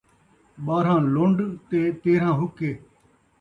ٻارہاں لُن٘ڈ تے تیرھاں حقے